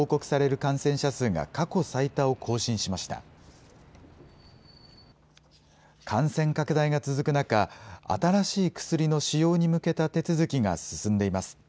感染拡大が続く中、新しい薬の使用に向けた手続きが進んでいます。